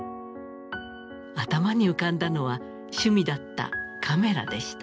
頭に浮かんだのは趣味だったカメラでした。